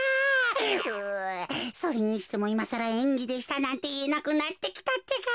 うそれにしてもいまさらえんぎでしたなんていえなくなってきたってか。